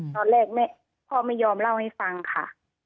ตอนแรกพ่อไม่ยอมเล่าให้ฟังค่ะ